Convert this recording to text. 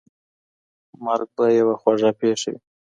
مرګ به یوه خوږه پېښه وي.